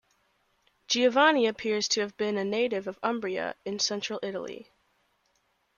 Giovanni appears to have been a native of Umbria, in central Italy.